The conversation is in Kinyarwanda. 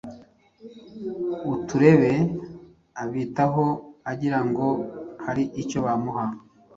Uturebe. Abitaho agira ngo hari icyo bamuha.